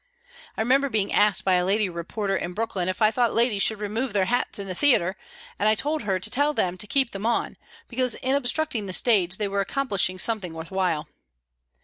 I remember being asked by a lady reporter in Brooklyn if I thought ladies should remove their hats in the theatre, and I told her to tell them to keep them on, because in obstructing the stage they were accomplishing something worth while.